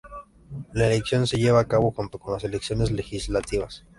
La elección se llevó a cabo junto con las elecciones legislativas.